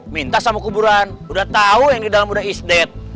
minta sama kuburan udah tau yang di dalam udah isdet